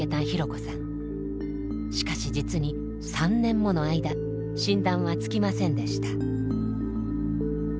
しかし実に３年もの間診断はつきませんでした。